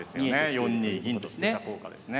４二銀と捨てた効果ですね。